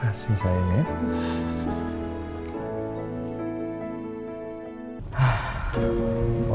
makasih sayang ya